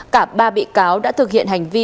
cả ba bị cáo đã thực hiện hành vi